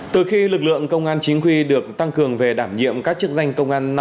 từ khi lực lượng công an chính quy được tăng cường về đảm nhiệm các chức danh công an năm mươi tám xã